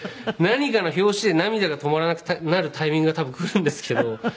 何かの拍子で涙が止まらなくなるタイミングが多分来るんですけど。